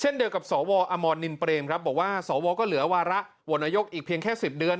เดียวกับสวอมรนินเปรมครับบอกว่าสวก็เหลือวาระโหวตนายกอีกเพียงแค่๑๐เดือน